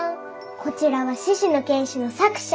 こちらは「獅子の拳士」の作者。